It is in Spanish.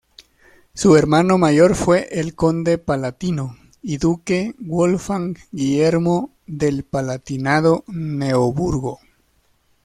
Su hermano mayor fue el conde palatino y duque Wolfgang Guillermo del Palatinado-Neoburgo.